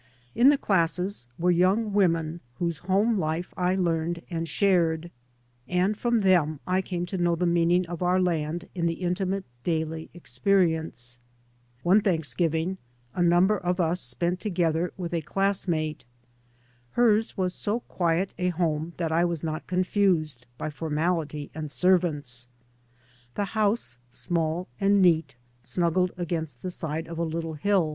In the classes were young women whose home life I learned and shared, and from them I came to know the meaning of our land in the intimate daily experience. One Thanksgiv ing a number of us spent together with a classmate. Hers was so quiet a home that I was not confused by formality and servants. The house, small and neat, snuggled against 3 by Google MY MOTHER AND I the side of a little hiU.